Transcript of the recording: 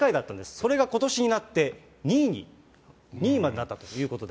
それがことしになって、２位に、２位までなったということで。